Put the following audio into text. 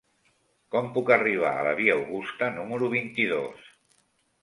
Com puc arribar a la via Augusta número vint-i-dos?